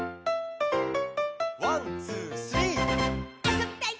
「ワンツースリー」「あそびたい！